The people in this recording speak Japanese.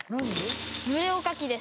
ぬれおかきです。